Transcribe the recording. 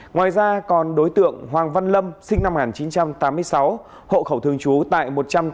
ngoài ra còn đối tượng hoàng văn lâm sinh năm một nghìn chín trăm tám mươi sáu hộ khẩu thường trú tại một trăm tám mươi